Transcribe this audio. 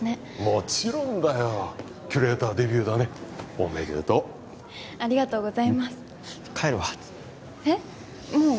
もちろんだよキュレーターデビューだねおめでとうありがとうございます帰るわえっもう？